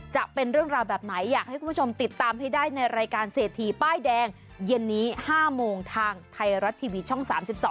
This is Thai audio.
จะเป็นเรื่องราวแบบไหนอยากให้คุณผู้ชมติดตามให้ได้ในรายการเศรษฐีป้ายแดงเย็นนี้๕โมงทางไทยรัฐทีวีช่อง๓๒